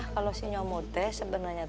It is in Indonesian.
kalau si nyomot teh sebenarnya